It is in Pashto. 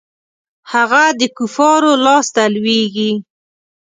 هغه د کفارو لاسته لویږي.